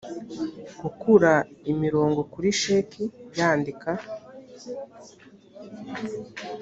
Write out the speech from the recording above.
gukura imirongo kuri sheki yandika